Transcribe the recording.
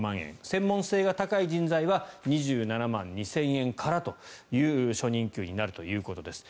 専門性が高い人材は２７万２０００円からという初任給になるということです。